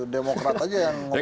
demokrat aja yang ngobrol